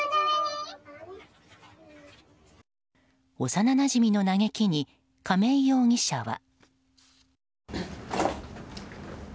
幼なじみの嘆きに亀井容疑者は。